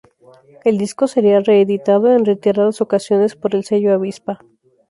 El disco sería reeditado en reiteradas ocasiones por el sello Avispa.